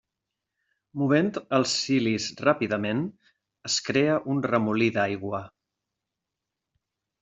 Movent els cilis ràpidament, es crea un remolí d'aigua.